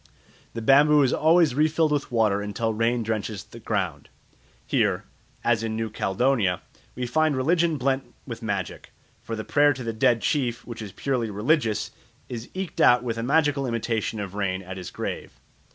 The bamboo is always refilled with water until rain drenches the ground. Here, as in New Caledonia, we find religion blent with magic, for the prayer to the dead chief, which is purely religious, is eked out with a magical imitation of rain at his grave.